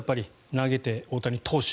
投げて、大谷投手。